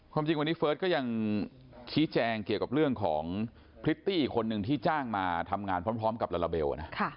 จริงวันนี้เฟิร์สก็ยังชี้แจงเกี่ยวกับเรื่องของพริตตี้อีกคนนึงที่จ้างมาทำงานพร้อมกับลาลาเบลนะ